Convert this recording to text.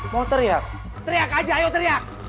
mau teriak teriak aja ayo teriak